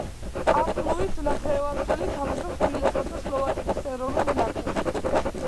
ამპლუით ნახევარმცველი, თამაშობს მილანსა და სლოვაკეთის ეროვნულ ნაკრებში.